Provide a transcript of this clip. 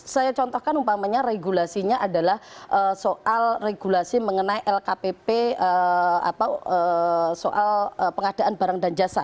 saya contohkan umpamanya regulasinya adalah soal regulasi mengenai lkpp soal pengadaan barang dan jasa